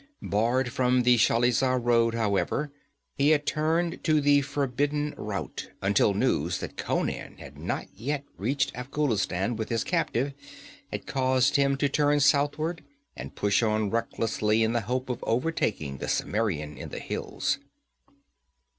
Barred from the Shalizah road, however, he had turned to the forbidden route, until news that Conan had not yet reached Afghulistan with his captive had caused him to turn southward and push on recklessly in the hope of overtaking the Cimmerian in the hills.